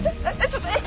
ちょっと！